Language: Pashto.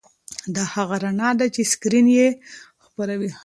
دا هغه رڼا ده چې سکرین یې خپروي.